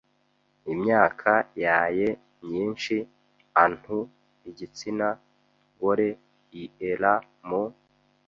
Imyaka yaye myinshi antu ’igitsina gore iera mu